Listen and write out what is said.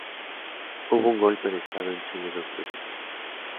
Hubo un golpe de estado en Chile dos meses antes.